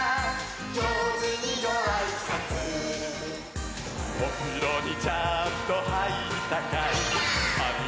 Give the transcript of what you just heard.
「じょうずにごあいさつ」「おふろにちゃんとはいったかい？」はいったー！